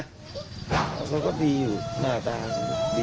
มันก็ดีอยู่หน้าตาดี